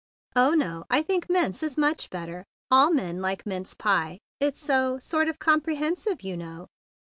"Oh, no, I think mince is much bet¬ ter. All men like mince pie, it's so— sort of comprehensive, you know."